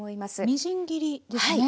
みじん切りですね。